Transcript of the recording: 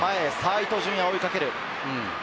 伊東純也が追いかける。